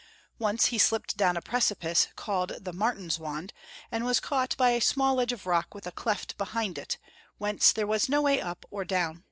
Once he slipped down a precipice called the Martinswand, and was caught by a small ledge of rock with a cleft behind it, whence there was no way up or down.